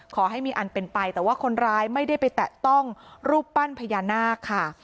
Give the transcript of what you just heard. ขอให้มีอันเป็นไปแต่ว่าคนร้ายไม่ได้ไปแตะต้องรูปปั้นพญานาคค่ะ